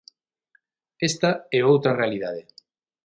Esta é outra realidade.